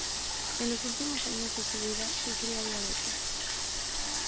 En los últimos años de su vida sufría de diabetes.